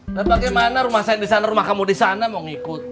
udah bagaimana rumah saya yang disana rumah kamu disana mau ngikut